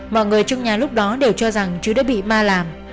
mọi người trong nhà lúc đó đều cho rằng chú đã bị ma làm